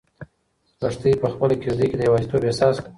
لښتې په خپله کيږدۍ کې د یوازیتوب احساس کاوه.